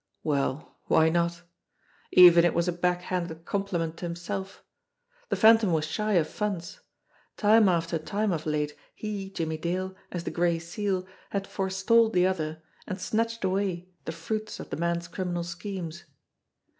Well, why not? Even if it was a back handed compliment to himself ! The Phantom was shy of funds. Time after time of late he, Jimmie Dale, as the Gray Seal, had forestalled the other, and snatched away the LITTLE SWEENEY 131 fruits of the man's criminal schemes.